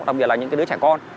lì xì cho đứa trẻ con